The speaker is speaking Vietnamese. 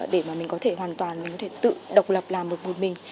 để mà mình có thể hoàn toàn mình có thể tự độc lập làm một mình